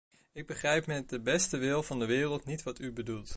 Ik begrijp met de beste wil van de wereld niet wat u bedoelt.